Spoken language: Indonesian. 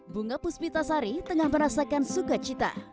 bunga puspita sari tengah merasakan sukacita